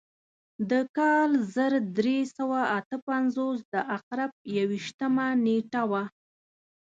د کال زر درې سوه اته پنځوس د عقرب یو ویشتمه نېټه وه.